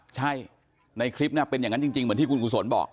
ใช่ในคลิปเป็นอย่างนั้นจริงเหมือนที่คุณกุศลบอก